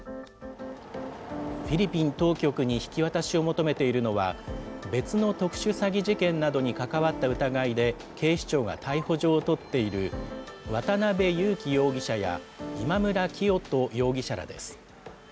フィリピン当局に引き渡しを求めているのは、別の特殊詐欺事件などに関わった疑いで、警視庁が逮捕状を取っている渡邉優樹容疑者や、今村磨人容疑者らです。